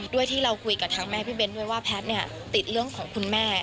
ที่เราคุยกับทางแม่พี่เบ้นด้วยว่าแพทย์ติดเรื่องของคุณแม่